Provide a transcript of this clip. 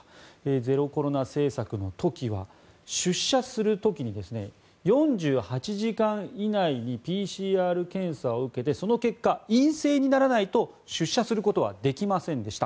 ゼロコロナ政策の時は出社する時に４８時間以内にＰＣＲ検査を受けてその結果、陰性にならないと出社することはできませんでした。